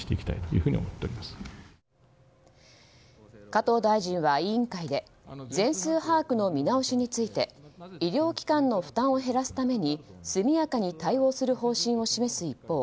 加藤大臣は委員会で全数把握の見直しについて医療機関の負担を減らすために速やかに対応する方針を示す一方